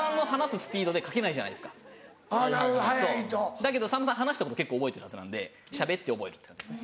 だけどさんまさん話したこと結構覚えてるはずなんでしゃべって覚える。